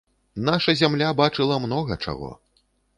Наша зямля бачыла многа чаго!